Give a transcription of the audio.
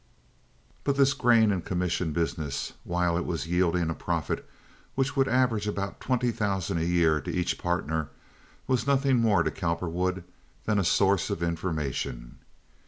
But this grain and commission business, while it was yielding a profit which would average about twenty thousand a year to each partner, was nothing more to Cowperwood than a source of information.